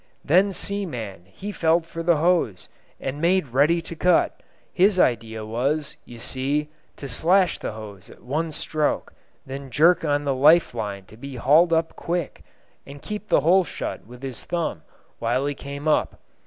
"Then Seaman he felt for the hose, and made ready to cut. His idea was, you see, to slash the hose at one stroke, then jerk on the life line to be hauled up quick, and keep the hole shut with his thumb while he came up.